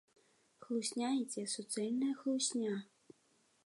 Хлусня ідзе, суцэльная хлусня!